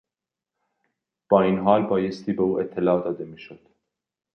با این حال بایستی به او اطلاع داده میشد.